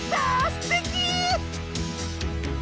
すてき！